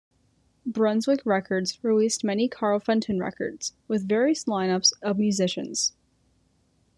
Brunswick Records released many "Carl Fenton" records, with various line-ups of musicians.